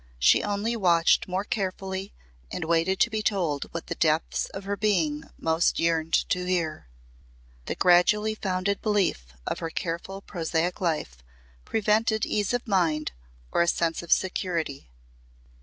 She only watched more carefully and waited to be told what the depths of her being most yearned to hear. The gradually founded belief of her careful prosaic life prevented ease of mind or a sense of security.